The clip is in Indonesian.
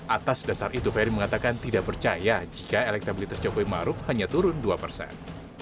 atas dasar itu ferry mengatakan tidak percaya jika elektabilitas jokowi maruf hanya turun dua persen